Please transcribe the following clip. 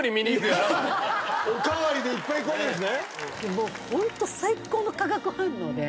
もうホント最高の化学反応で。